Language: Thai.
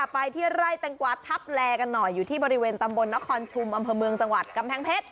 ไปที่ไร่แตงกวาทับแลกันหน่อยอยู่ที่บริเวณตำบลนครชุมอำเภอเมืองจังหวัดกำแพงเพชร